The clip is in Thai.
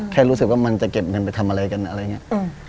แค่รู้สึกว่ามันจะเก็บเงินไปทำอะไรกันอะไรอย่างนี้